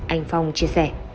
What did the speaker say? anh phong chia sẻ